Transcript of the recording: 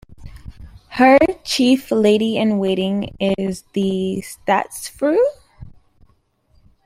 Her chief lady-in-waiting is the "statsfru".